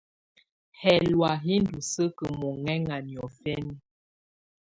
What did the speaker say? Hɛlɔ̀á hi ndù sǝ́kǝ́ mɔhɛŋa niɔ̀fɛna.